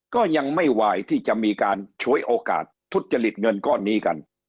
ก็ยังไม่วายที่จะมีการฉวยโอกาสทุจริตเงินก้อนนี้กัน